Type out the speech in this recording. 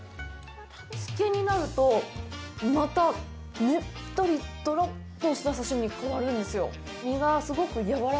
漬けになるとまた、ねっとり、とろっとした刺身に変わるんですよ。